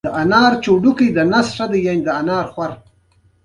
د ماشوم سنتي کول لوی جشن وي.